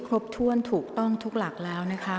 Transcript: กรรมการท่านที่ห้าได้แก่กรรมการใหม่เลขเก้า